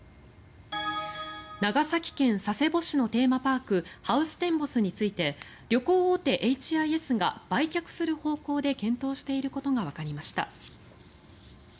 長崎県佐世保市のテーマパークハウステンボスについて旅行大手Ｈ．Ｉ．Ｓ．が売却する方向で検討していることがわかりました。